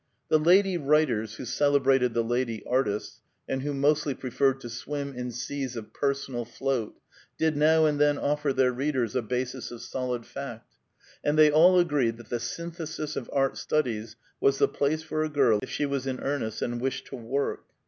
The lady writers who celebrated the lady artists, and who mostly preferred to swim in seas of personal float, did now and then offer their readers a basis of solid fact; and they all agreed that the Synthesis of Art Studies was the place for a girl if she was in earnest and wished to work.